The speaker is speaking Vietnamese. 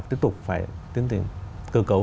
tiếp tục phải tiến hành cơ cấu